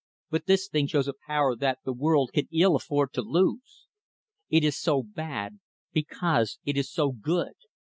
But this thing shows a power that the world can ill afford to lose. It is so bad because it is so good.